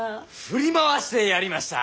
振り回してやりました！